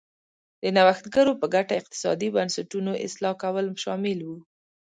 د نوښتګرو په ګټه اقتصادي بنسټونو اصلاح کول شامل و.